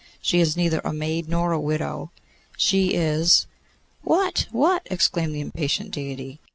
She is neither a maid nor a widow. She is ' 'What? what?' exclaimed the impatient deity.